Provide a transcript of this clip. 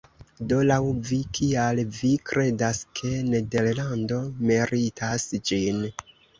Do laŭ vi, kial vi kredas ke nederlando meritas ĝin?